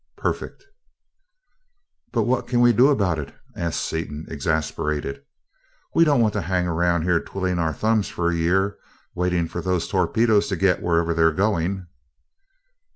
Perfect!" "But what can we do about it?" asked Seaton, exasperated. "We don't want to hang around here twiddling our thumbs for a year waiting for those torpedoes to get to wherever they're going!"